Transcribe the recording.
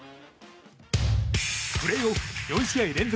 プレーオフ４試合連続